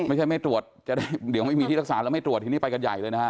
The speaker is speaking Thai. ไม่ใช่ไม่ตรวจจะได้เดี๋ยวไม่มีที่รักษาแล้วไม่ตรวจทีนี้ไปกันใหญ่เลยนะฮะ